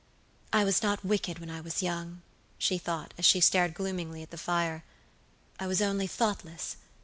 "I was not wicked when I was young," she thought, as she stared gloomingly at the fire, "I was only thoughtless.